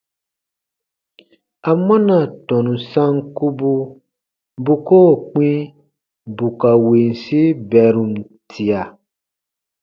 Amɔna tɔnu sankubu bu koo kpĩ bù ka winsi bɛrum tia?